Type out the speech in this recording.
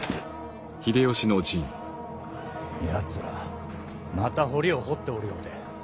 やつらまた堀を掘っておるようで。